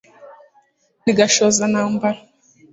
ni gashoza ntambara